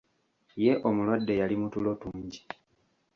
Ye omulwadde yali mu tulo tungi.